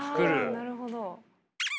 あなるほど。